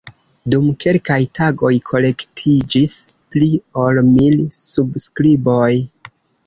Dum kelkaj tagoj kolektiĝis pli ol mil subskriboj.